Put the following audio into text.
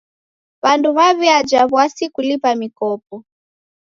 W'andu w'aw'iaja w'asi kulipa mikopo.